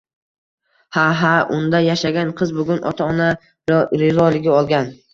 Ha-ha, unda yashagan qiz bugun ota-ona rizoligini olgan